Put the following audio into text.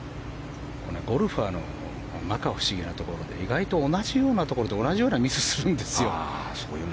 ゴルファーの摩訶不思議なところで意外と同じようなところで同じようなミスをするんですよ。